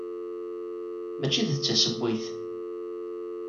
Mačči d tasebbiwt.